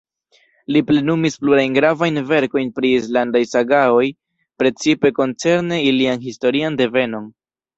Li plenumis plurajn gravajn verkojn pri islandaj sagaoj, precipe koncerne ilian historian devenon.